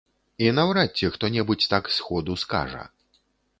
І наўрад ці хто-небудзь так сходу скажа.